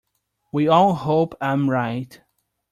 We all hope I am right.